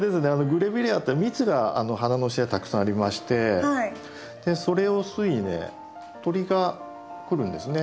グレビレアって蜜が花の下にたくさんありましてそれを吸いにね鳥が来るんですね。